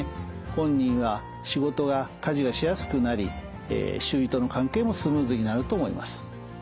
本人は仕事や家事がしやすくなり周囲との関係もスムーズになると思います。